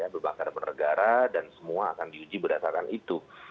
berbakar bernegara dan semua akan diuji berdasarkan itu